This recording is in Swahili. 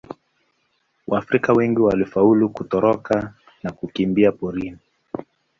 Waafrika wengine walifaulu kutoroka na kukimbia porini.